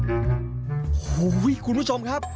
โอ้โหคุณผู้ชมครับ